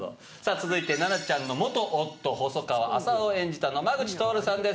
続いて菜奈ちゃんの夫細川朝男を演じた野間口徹さんです